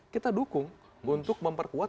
kita dukung untuk memperkuat